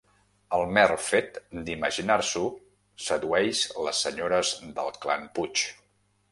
El mer fet d'imaginar-s'ho sedueix les senyores del clan Puig.